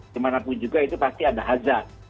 kemana pun juga itu pasti ada hazard